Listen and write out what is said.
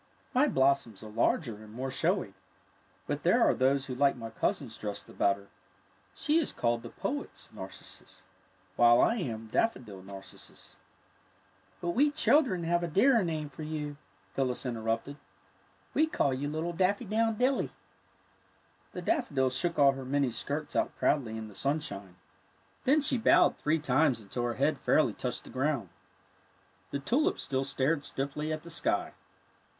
'' My blossoms are larger and more showy, but there are those who like my cousin's dress the better. She is called the poet's narcissus, while I am daffodil nar cissus —"'^ But we children have a dearer name for 20 THE NAECISSUS AND TULIP you,'' Phyllis interrupted. '^ We call you little daffy do wn diUy." The daffodil shook all her many skirts out proudly in the sunshine. Then she bowed three times until her head fairly touched the groimd. The tulips still stared stiffly at the sky.